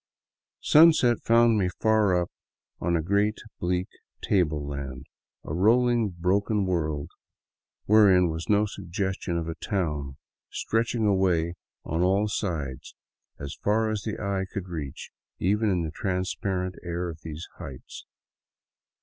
Sunset found me far up on a great bleak table land, a rolling, broken world, wherein was no suggestion of a town, stretching away on all sides as far as the eye could reach even in the transparent air of these heights.